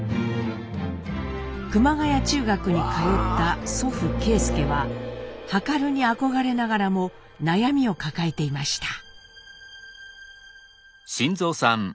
熊谷中学に通った祖父啓介は量に憧れながらも悩みを抱えていました。